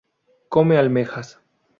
Come Almejas.